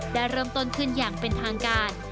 ได้เริ่มต้นขึ้นอย่างเป็นทางการ